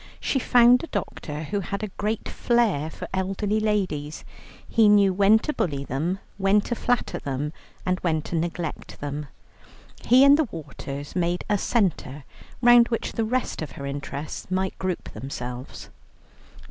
She found a doctor who had a great flair for elderly ladies; he knew when to bully them, when to flatter them, and when to neglect them. He and the waters made a centre round which the rest of her interests might group themselves.